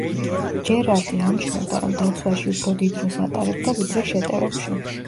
ჯერარდი ამჩნევდა რომ დაცვაში უფრო დიდ დროს ატარებდა, ვიდრე შეტევებში.